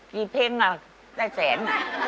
กี่เพลงอ่ะได้แสน